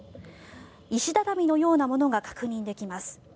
石畳のようなものが確認できます。